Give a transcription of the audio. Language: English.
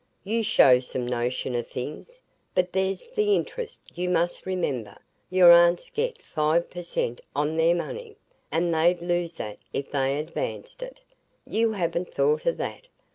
You show some notion o' things. But there's the interest, you must remember; your aunts get five per cent on their money, and they'd lose that if they advanced it; you haven't thought o' that."